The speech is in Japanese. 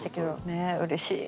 ねうれしい。